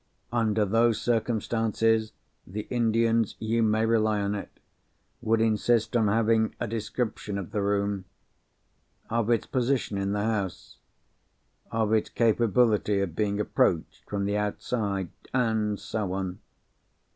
Under those circumstances, the Indians, you may rely on it, would insist on having a description of the room—of its position in the house, of its capability of being approached from the outside, and so on.